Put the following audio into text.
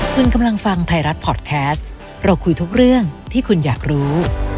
คุณกำลังฟังไทยรัฐพอร์ตแคสต์เราคุยทุกเรื่องที่คุณอยากรู้